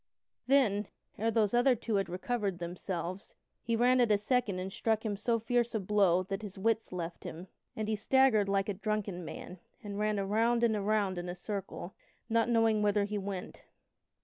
Then, ere those other two had recovered themselves, he ran at a second and struck him so fierce a blow that his wits left him, and he staggered like a drunken man and ran around and around in a circle, not knowing whither he went.